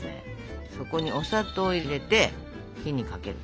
そこにお砂糖を入れて火にかける。